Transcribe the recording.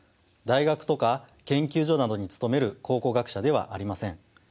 大学とか研究所などに勤める考古学者ではありません。